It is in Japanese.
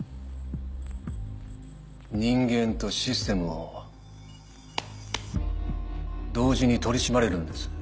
人間とシステムを同時に取り締まれるんです。